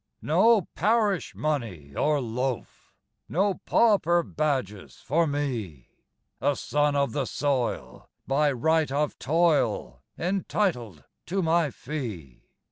No parish money, or loaf, No pauper badges for me, A son of the soil, by right of toil Entitled to my fee.